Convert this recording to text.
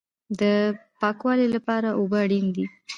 د پاکوالي لپاره اوبه اړین دي